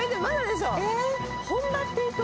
本場っていうと。